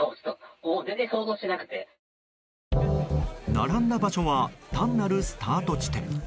並んだ場所は単なるスタート地点。